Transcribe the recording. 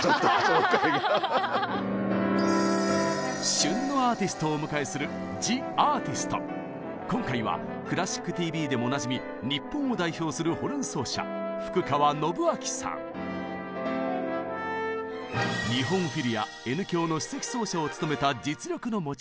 旬のアーティストをお迎えする今回は「クラシックＴＶ」でもおなじみ日本を代表するホルン奏者福川伸陽さん。日本フィルやＮ響の首席奏者を務めた実力の持ち主。